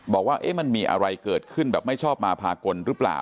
บอกว่ามีอะไรเกิดขึ้นไม่ชอบมาพากลรึเปล่า